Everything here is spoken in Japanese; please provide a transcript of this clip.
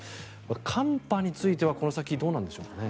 寒波についてはこの先どうなんでしょうかね。